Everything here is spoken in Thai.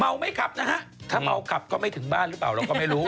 ไม่ขับนะฮะถ้าเมาขับก็ไม่ถึงบ้านหรือเปล่าเราก็ไม่รู้